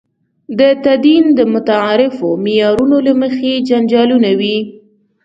د تدین د متعارفو معیارونو له مخې جنجالونه وي.